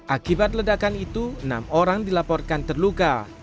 akibat ledakan itu enam orang dilaporkan terluka